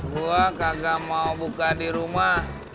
gua kagak mau buka dirumah